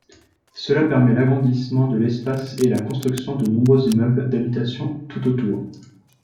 Cela permet l'agrandissement de l'espace et la construction de nombreux immeubles d'habitation tout autour.